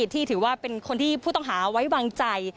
ที่ถือว่าเป็นคนที่ผู้ต้องหาไว้วางใจ